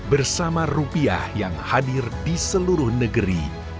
bersama rupiah yang hadir di seluruh negeri